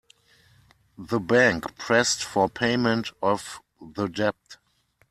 The bank pressed for payment of the debt.